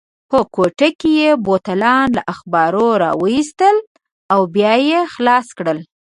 په کوټه کې یې بوتلان له اخبارو راوایستل او بیا یې خلاص کړل.